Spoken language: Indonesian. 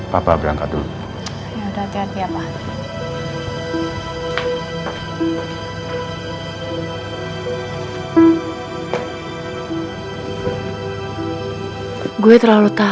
papa berangkat dulu